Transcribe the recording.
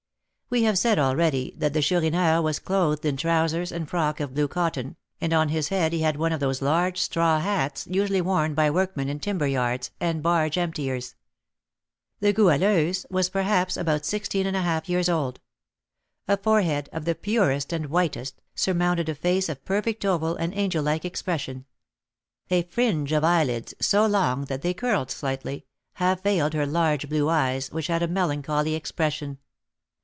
We have said already that the Chourineur was clothed in trousers and frock of blue cotton, and on his head he had one of those large straw hats usually worn by workmen in timber yards, and barge emptiers. The Goualeuse was, perhaps, about sixteen and a half years old. A forehead, of the purest and whitest, surmounted a face of perfect oval and angel like expression; a fringe of eyelids, so long that they curled slightly, half veiled her large blue eyes, which had a melancholy expression.